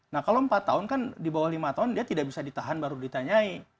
nah kalau empat tahun kan di bawah lima tahun dia tidak bisa ditahan baru ditanyai